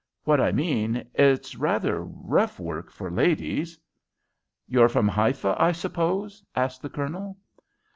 What I mean, it's rather rough work for ladies." "You're from Haifa, I suppose?" asked the Colonel.